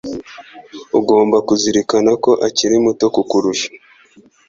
Ugomba kuzirikana ko akiri muto kukurusha.